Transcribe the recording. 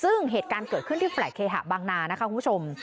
ซึ่งเหตุการณ์เกิดขึ้นที่แลตเคหะบางนานะคะคุณผู้ชม